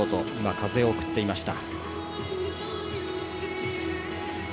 風を送っていました。